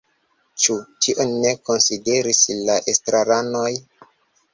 Ĉu tion ne konsideris la estraranoj?